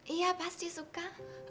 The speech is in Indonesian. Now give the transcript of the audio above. iya pasti suka